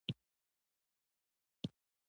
پورتنۍ معادله په لاندې طریقو توازن کولی شئ.